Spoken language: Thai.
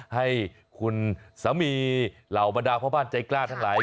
ให้คุณสามีเหล่าบรรดาพ่อบ้านใจกล้าทั้งหลาย